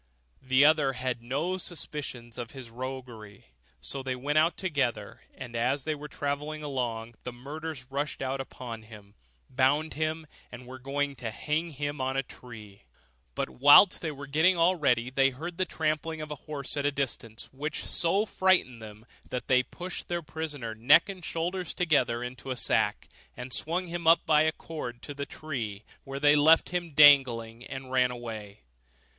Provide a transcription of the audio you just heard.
The other had no suspicions of his roguery: so they went out together, and as they were travelling along, the murderers rushed out upon him, bound him, and were going to hang him on a tree. But whilst they were getting all ready, they heard the trampling of a horse at a distance, which so frightened them that they pushed their prisoner neck and shoulders together into a sack, and swung him up by a cord to the tree, where they left him dangling, and ran away.